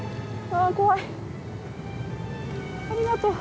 ありがとう。